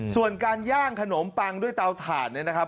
ส่วนการย่างขนมปังด้วยเตาถ่านเนี่ยนะครับ